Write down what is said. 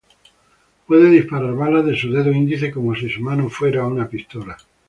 Puede disparar balas de su dedo índice como si su mano fuera una pistola.